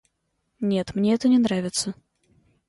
Нет, мне это не нравится.